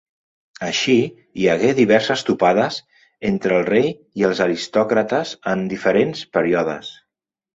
Així, hi hagué diverses topades entre el rei i els aristòcrates en diferents períodes.